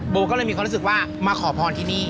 ก็เลยมีความรู้สึกว่ามาขอพรที่นี่